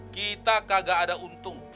kita kagak ada untung